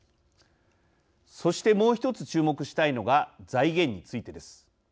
そして、もう１つ注目したいのが財源についてです。